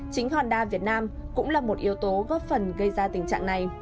chính honda việt nam cũng là một yếu tố góp phần gây ra tình trạng này